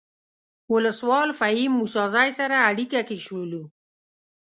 ولسوال فهیم موسی زی سره اړیکه کې شولو.